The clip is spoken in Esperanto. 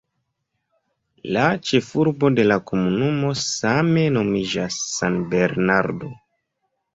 La ĉefurbo de la komunumo same nomiĝas "San Bernardo".